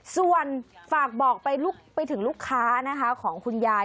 ส่วนฝากบอกไปถึงลูกค้านะคะของคุณยาย